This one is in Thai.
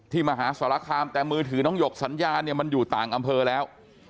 มหาสรคามแต่มือถือน้องหยกสัญญาเนี่ยมันอยู่ต่างอำเภอแล้ว